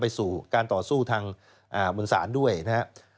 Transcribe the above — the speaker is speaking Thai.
สู่การต่อสู้ทางบุญศาลด้วยนะครับ